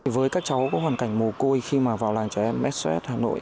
với các cháu có hoàn cảnh mồ côi khi mà vào làng trẻ msos hà nội